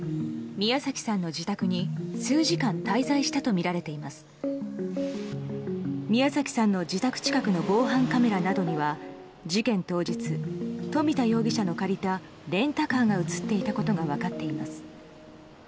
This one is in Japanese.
宮崎さんの自宅近くの防犯カメラなどには事件当日、冨田容疑者の借りたレンタカーが映っていたことが分かっています。